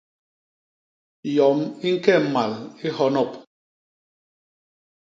Yom i ñke mmal i nhonop.